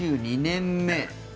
２２年目。